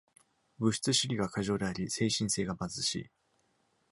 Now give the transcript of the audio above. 物質主義が過剰であり、精神性が貧しい。